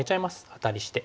アタリして。